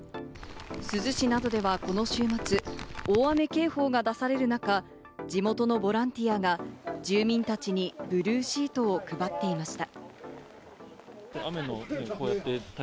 珠洲市などではこの週末、大雨警報が出される中、地元のボランティアが住民たちにブルーシートを配っていました。